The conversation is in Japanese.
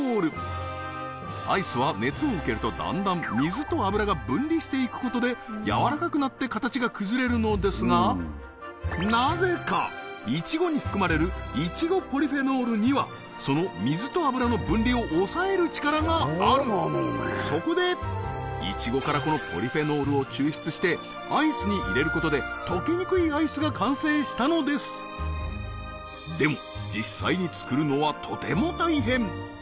はいアイスは熱を受けるとだんだん水と油が分離していくことでやわらかくなって形が崩れるのですがなぜかイチゴに含まれるイチゴポリフェノールにはその水と油の分離を抑える力があるそこでイチゴからこのポリフェノールを抽出してアイスに入れることで溶けにくいアイスが完成したのですでもそうですね